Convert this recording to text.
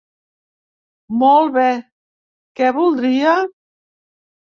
Molt be, què voldria?